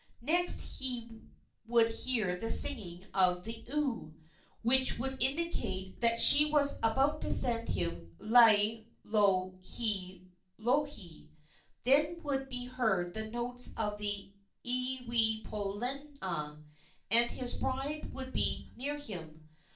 Next he would hear the singing of the oo, which would indicate that she was about to send to him Laielohelohe. Then would be heard the notes of the iiwipolena, and his bride would be near him.